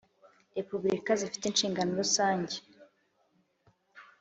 Repubulika zifite inshingano rusange